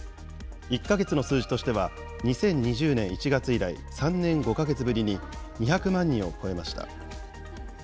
１か月の数字としては、２０２０年１月以来、３年５か月ぶりに２００万人を超えました。